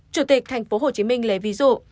chủ tịch thành phố hồ chí minh lấy ví dụ